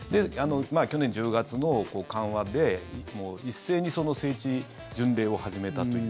去年１０月の緩和で、一斉にその聖地巡礼を始めたという。